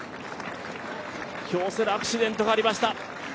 京セラ、アクシデントがありました。